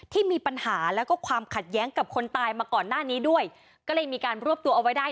ที่มีปัญหาแล้วก็ความขัดแย้งกับคนตายมาก่อนหน้านี้ด้วยก็เลยมีการรวบตัวเอาไว้ได้